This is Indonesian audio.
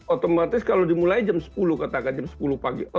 otomatis kalau dimulai jam sepuluh katakan jam sepuluh pagi